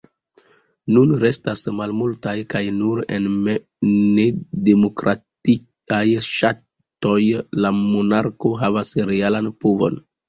Nun restas malmultaj, kaj nur en nedemokratiaj ŝatoj la monarko havas realan povon.